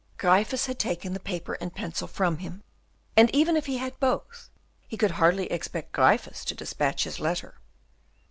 Gryphus had taken the paper and pencil from him, and even if he had both, he could hardly expect Gryphus to despatch his letter.